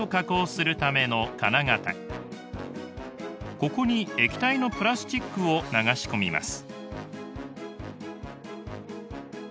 ここに液体のプラスチックを流し込みます。